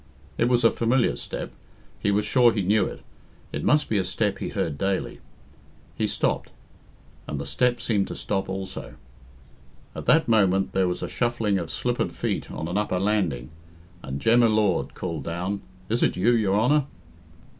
It was a familiar step. He was sure he knew it. It must be a step he heard daily. He stopped, and the step seemed to stop also. At that moment there was a shuffling of slippered feet on an upper landing, and Jem y Lord called down, "Is it you, your Honour?"